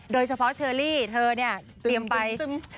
โดยเฉพาะเชอรี่เธอเนี่ยเตรียมไป